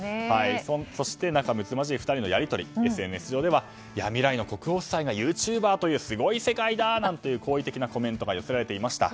そして仲むつまじい２人のやりとりＳＮＳ上では未来の国王夫妻がユーチューバーというすごい世界だ！なんていう好意的なコメントが寄せられていました。